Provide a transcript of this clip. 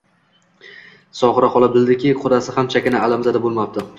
Sobira xola bildiki, kudasi ham chakana alamzada boʼlmabdi.